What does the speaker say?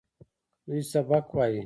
دوی سبق وايي.